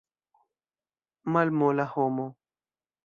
Malmola homo.